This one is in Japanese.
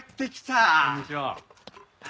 こんにちは。